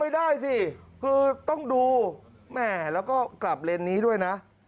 ได้สิคือต้องดูแหมแล้วก็กลับเลนส์นี้ด้วยนะ